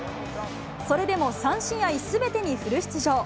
それでも３試合すべてにフル出場。